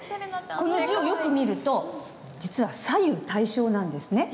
この字をよく見ると実は左右対称なんですね。